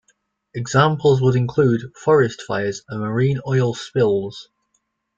Examples would include forest fires and marine oil spills.